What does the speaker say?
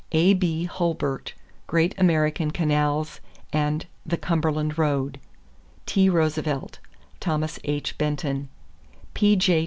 A.B. Hulbert, Great American Canals and The Cumberland Road. T. Roosevelt, Thomas H. Benton. P.J.